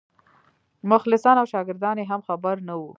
مخلصان او شاګردان یې هم خبر نه وو.